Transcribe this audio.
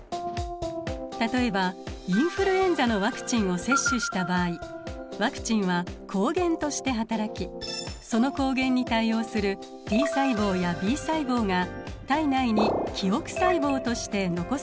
例えばインフルエンザのワクチンを接種した場合ワクチンは抗原としてはたらきその抗原に対応するＴ細胞やＢ細胞が体内に記憶細胞として残されることになります。